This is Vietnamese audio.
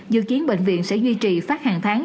dự kiến bệnh viện sẽ duy trì phát hàng tháng